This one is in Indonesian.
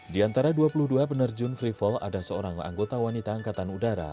di antara dua puluh dua penerjun free fall ada seorang anggota wanita angkatan udara